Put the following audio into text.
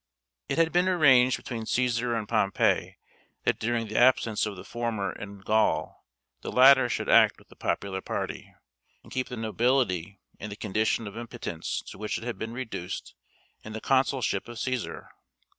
It had been arranged between Cæsar and Pompey, that during the absence of the former in Gaul, the latter should act with the popular party, and keep the nobility in the condition of impotence to which it had been reduced in the consulship of Cæsar.